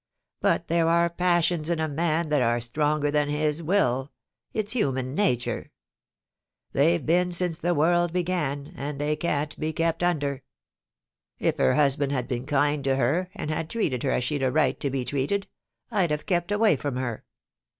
But there are passions in a man that are stronger than his will — it's human nature ; they've been since the world began, and they can't be kept under. If her husband had been kind to her, and had treated her as she'd a right to be treated, I'd have kept away from her.